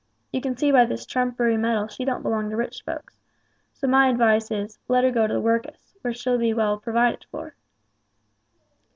Yer can see by this trumpery medal she don't belong to rich folks; so my advice is, let her go to the workus, where she'll be well provided for."